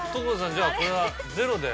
じゃあこれは０で？